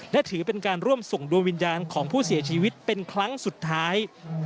และถือเป็นการร่วมส่งดวงวิญญาณของผู้เสียชีวิตเป็นครั้งสุดท้าย